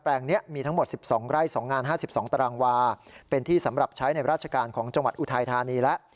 ลงนี้มีทั้งหมด๑๒ไร่๒งาน๕๒ตารางวาเป็นที่สำหรับใช้ในราชการของจังหวัดอุทัยธานีแล้ว